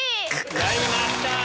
やりました！